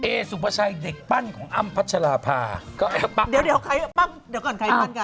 เอสุพชัยเด็กปั้นของอ้ำพัชราภาเดี๋ยวก่อนใครปั้นใคร